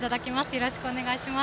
よろしくお願いします。